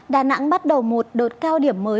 đà nẵng bắt đầu một đột cao điểm mới